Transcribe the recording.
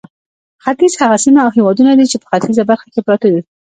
ختیځ هغه سیمې او هېوادونه دي چې په ختیځه برخه کې پراته دي.